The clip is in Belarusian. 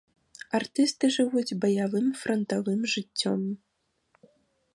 Артысты жывуць баявым франтавым жыццём.